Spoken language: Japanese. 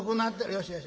よしよし。